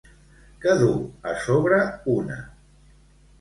Què duu a sobre una?